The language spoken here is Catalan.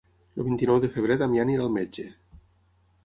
El vint-i-nou de febrer en Damià anirà al metge.